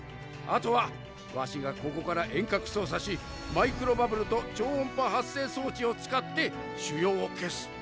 あとはワシがここから遠隔操作しマイクロバブルと超音波発生装置を使って腫瘍を消す。